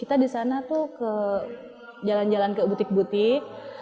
kita di sana tuh ke jalan jalan ke butik butik